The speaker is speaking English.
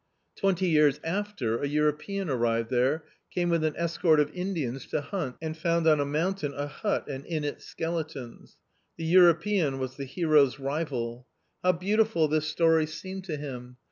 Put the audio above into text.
Twenty years after a European arrived there, came with an escort of Indians to hunt and found on a mountain a hut and in it skeletons. The European was the hero's rival. How beautiful this story seemed to him